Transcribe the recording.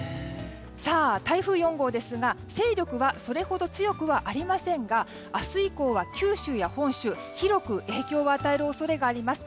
台風４号ですが勢力はそれほど強くはありませんが明日以降は九州や本州に広く影響を与える恐れがあります。